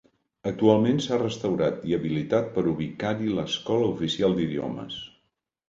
Actualment, s'ha restaurat i habilitat per ubicar-hi l'Escola Oficial d'Idiomes.